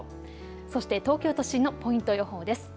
そして東京都心のポイント予報です。